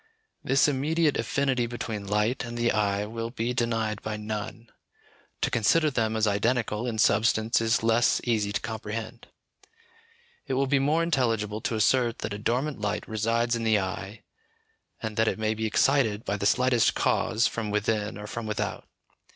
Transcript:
This immediate affinity between light and the eye will be denied by none; to consider them as identical in substance is less easy to comprehend. It will be more intelligible to assert that a dormant light resides in the eye, and that it may be excited by the slightest cause from within or from without.